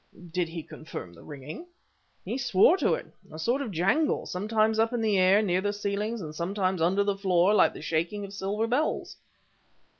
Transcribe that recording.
"Did he confirm the ringing?" "He swore to it a sort of jangle, sometimes up in the air, near the ceilings, and sometimes under the floor, like the shaking of silver bells."